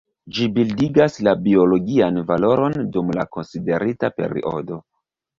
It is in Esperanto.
Ĝi bildigas la biologian valoron dum la konsiderita periodo.